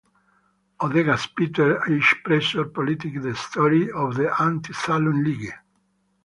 Odegard, Peter H. "Pressure Politics: The Story of the Anti-Saloon League".